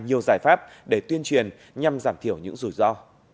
nhiều giải pháp để tuyên truyền nhằm giảm thiểu những rủi ro